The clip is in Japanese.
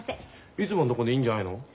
いつものとこでいいんじゃないの？